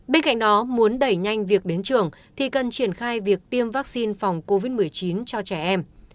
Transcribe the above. bên cạnh đó muốn đẩy nhanh việc đến trường thì cần triển khai việc tiêm vaccine phòng covid một mươi chín cho trẻ em